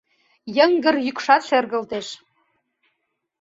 Йыҥгыр йӱкшат шергылтеш